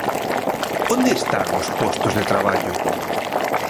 ¿Onde están os postos de traballo?